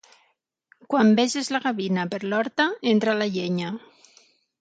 Quan veges la gavina per l'horta, entra la llenya.